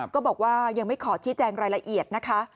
ก็บอกว่ายังไม่ขอชี้แจงรายละเอียดนะคะ